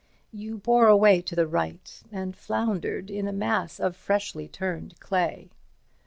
You bore away to the right, and floundered in a mass of freshly turned clay.